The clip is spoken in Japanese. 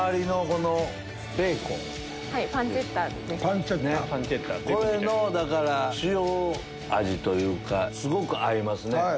これのだから塩味というかすごく合いますね。